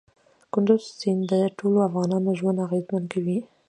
کندز سیند د ټولو افغانانو ژوند اغېزمن کوي.